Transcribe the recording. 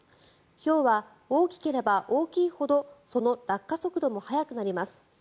ひょうは大きければ大きいほどその落下速度も速くなります。